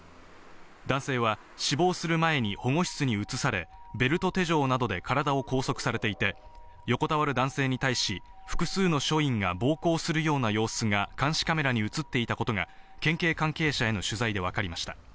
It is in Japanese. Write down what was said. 男性は死亡する前に保護室に移され、ベルト手錠などで体を拘束されていて、横たわる男性に対し、複数の署員が暴行するような様子が監視カメラに映っていたことが県警関係者への取材で分かりました。